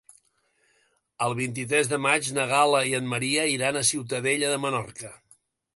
El vint-i-tres de maig na Gal·la i en Maria iran a Ciutadella de Menorca.